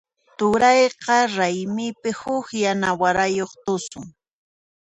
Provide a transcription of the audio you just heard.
Turayqa raymipi huk yana warayuq tusun.